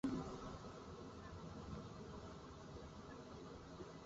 En ambos casos se muestran escenas de su vida, milagros y martirio.